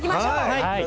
はい。